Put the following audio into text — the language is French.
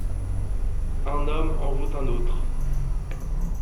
Un homme en vaut un autre!